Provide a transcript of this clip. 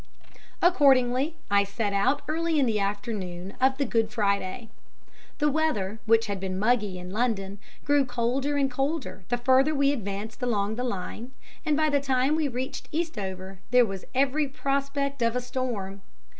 Accordingly I set out early in the afternoon of the Good Friday. The weather, which had been muggy in London, grew colder and colder the further we advanced along the line, and by the time we reached Eastover there was every prospect of a storm.